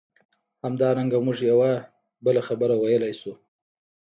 همدارنګه موږ یوه بله خبره ویلای شو.